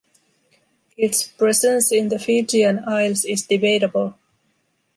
Its presence in the Fijian isles is debatable.